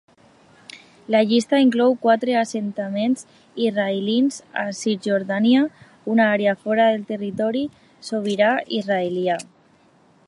La llista inclou quatre assentaments israelians a Cisjordània, una àrea fora del territori sobirà israelià.